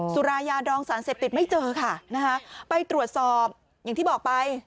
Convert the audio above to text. สุรายาดองสารเสพติดไม่เจอค่ะนะคะไปตรวจสอบอย่างที่บอกไป